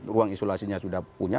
ruang isolasinya sudah punya